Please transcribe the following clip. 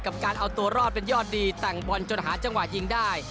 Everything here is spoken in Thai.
กับการเอาตัวรอดเป็นยอดดีแต่งบอลจนหาจังหวะยิงได้